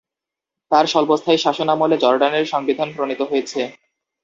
তার স্বল্পস্থায়ী শাসনামলে জর্ডানের সংবিধান প্রণীত হয়েছে।